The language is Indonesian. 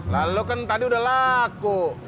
lalu kan tadi udah laku